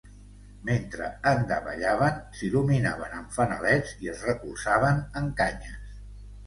Mentre en davallaven, s’il·luminaven amb fanalets i es recolzaven en canyes.